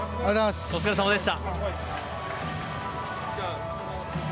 お疲れさまでした。